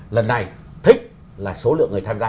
lần này thích là số lượng người tham gia